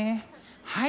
はい。